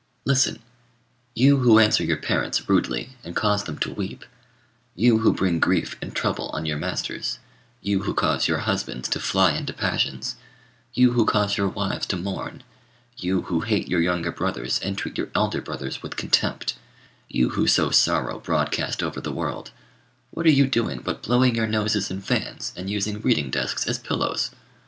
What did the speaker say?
Listen! You who answer your parents rudely, and cause them to weep; you who bring grief and trouble on your masters; you who cause your husbands to fly into passions; you who cause your wives to mourn; you who hate your younger brothers, and treat your elder brothers with contempt; you who sow sorrow broadcast over the world; what are you doing but blowing your noses in fans, and using reading desks as pillows?